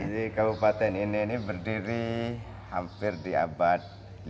jadi kabupaten ini berdiri hampir di abad lima belas